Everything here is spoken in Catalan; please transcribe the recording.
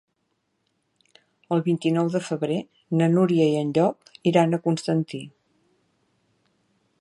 El vint-i-nou de febrer na Núria i en Llop iran a Constantí.